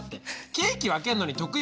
ケーキ分けるのに得意